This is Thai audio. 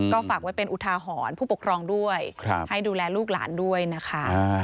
ก็ฝากไว้เป็นอุทาหรณ์ผู้ปกครองด้วยให้ดูแลลูกหลานด้วยนะคะ